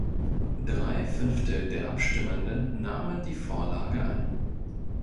Drei Fünftel der Abstimmenden nahmen die Vorlage an.